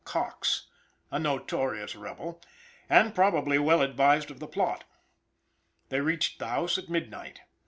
Coxe, a notorious rebel, and probably well advised of the plot. They reached the house at midnight.